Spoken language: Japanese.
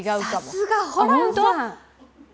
さすがホランさん。